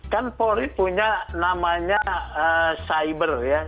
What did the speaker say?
kan polri punya namanya cyber ya